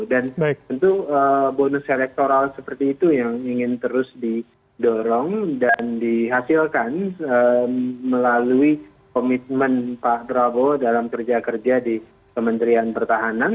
dan tentu bonus elektoral seperti itu yang ingin terus didorong dan dihasilkan melalui komitmen pak prabowo dalam kerja kerja di kementerian pertahanan